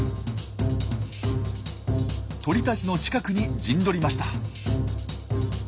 鳥たちの近くに陣取りました。